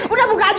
udah buka aja